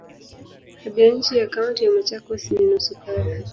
Tabianchi ya Kaunti ya Machakos ni nusu kavu.